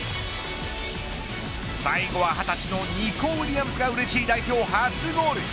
最後は２０歳のニコ・ウィリアムズがうれしい代表ゴール。